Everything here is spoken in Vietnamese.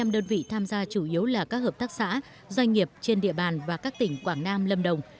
hai mươi đơn vị tham gia chủ yếu là các hợp tác xã doanh nghiệp trên địa bàn và các tỉnh quảng nam lâm đồng